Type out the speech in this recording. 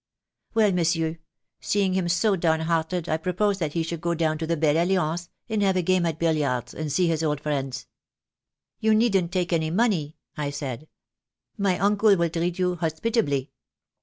Well, monsieur, seeing him so down hearted I proposed that he should go down to the 'Belle Alliance' and have a game at billiards and see his old friends. 'You needn't take any money,' I said, 'my uncle will treat you hospitably.'